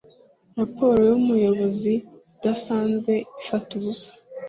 raporo y umuyobozi udasanzwe ifata ubusa